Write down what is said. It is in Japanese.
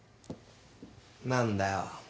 何だよ？